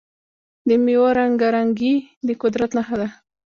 د میوو رنګارنګي د قدرت نښه ده.